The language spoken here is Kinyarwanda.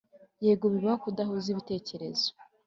yego bibaho kudahuza ibitekerezo,